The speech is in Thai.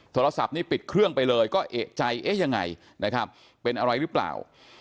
โทรศัพท์นี้ปิดเครื่องไปเลยก็เอกใจเอ๊ะยังไงนะครับเป็นอะไรหรือเปล่า